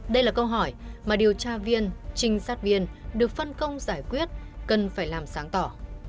đây là câu hỏi mà điều tra viên trinh sát viên được phân công giải quyết cần phải làm sáng tỏ